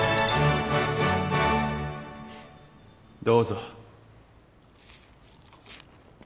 どうぞ。